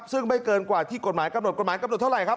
ซึ่งไม่เกินกว่าที่กฎหมายกำหนดกฎหมายกำหนดเท่าไหร่ครับ